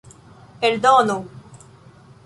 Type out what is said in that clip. eldono